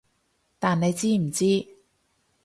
但你知唔知